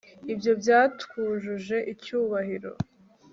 ibyo byatwujuje icyubahiro